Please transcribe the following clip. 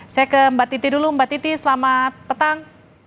saya ke mbak titi dulu mbak titi selamat petang